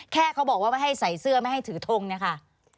แค่เขาบอกว่าให้ใส่เสื้อไม่ให้ถือทงนะคะ